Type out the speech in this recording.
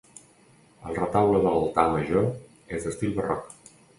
El retaule de l'altar major és d'estil barroc.